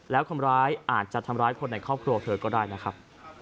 แล้วคนร้ายอาจจะทำร้ายคนในครอบครัวเธอก็ได้นะครับ